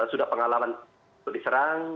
sudah pengalaman diserang